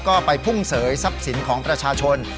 ก็ไปพุ่งเสยทรัพย์สินของประชาชน